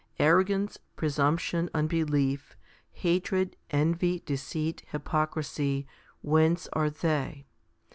Arrogance, presumption, unbelief, hatred, envy, deceit, hypocrisy, whence are they